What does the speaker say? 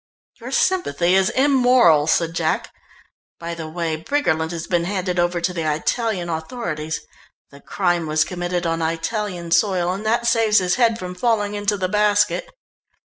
"Your sympathy is immoral," said Jack. "By the way, Briggerland has been handed over to the Italian authorities. The crime was committed on Italian soil and that saves his head from falling into the basket."